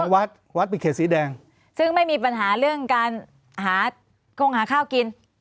วัดวัดเป็นเขตสีแดงซึ่งไม่มีปัญหาเรื่องการหาคงหาข้าวกิน